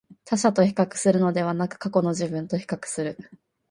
他者と比較するのではなく、過去の自分と比較する